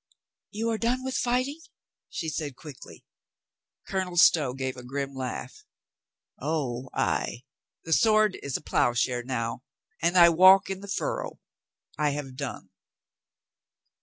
"You are done with fighting?" she said quickly. Colonel Stow gave a grim laugh. "O, ay, the sword is a plowshare now and I walk in the furrow. I have done."